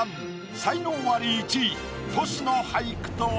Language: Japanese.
才能アリ１位トシの俳句とは？